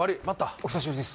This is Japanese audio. お久しぶりです